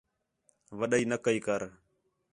وَݙائی نہ کَئی کر